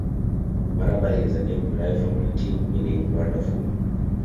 Mirabile is a name derived from Latin meaning "wonderful".